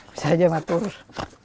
bisa aja mak turut